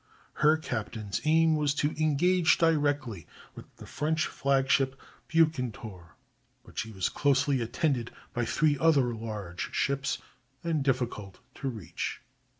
Her captain's aim was to engage directly with the French flagship Bucentaure, but she was closely attended by three other large ships, and difficult to reach.